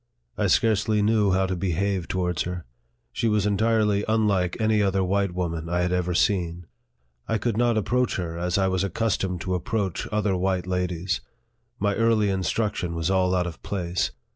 I scarcely knew how to behave towards her. She was entirely unlike any other white woman I had ever seen. I could not approach her as I was accustomed to approach other white ladies. My early instruction was all out of place.